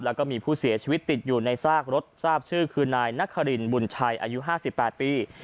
แล้วก็มีผู้เสียชีวิตติดอยู่ในซากรถทราบชื่อคือนายนครินบุญชัยอายุ๕๘ปี